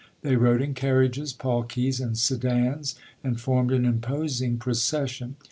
They rode in carriages, palkis, and sedans, and formed an imposing procession.